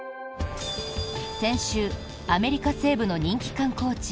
先週、アメリカ西部の人気観光地